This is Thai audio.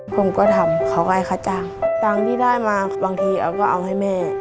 ผมก็ทำขออะไรคะจังดังที่ได้มาบางทีออกก็เอาให้แม่